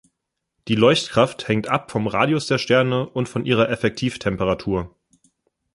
Die Leuchtkraft hängt ab vom Radius der Sterne und von ihrer Effektivtemperatur.